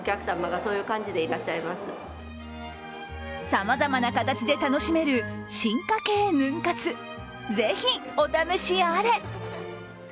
さまざまな形で楽しめる進化系ヌン活、ぜひお試しあれ。